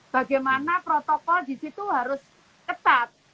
bagaimana protokol di situ harus ketat